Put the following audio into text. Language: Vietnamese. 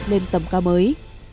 lên tầm cao mới